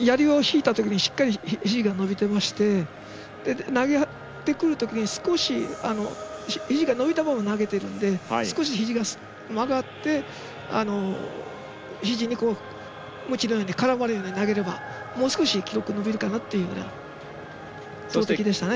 やりを引いたときにしっかり、ひじが伸びていて投げるときに少しひじが伸びたまま投げてるのでひじが曲がってひじに内側に絡むように投げればもう少し記録が伸びるかなというような投てきでしたね。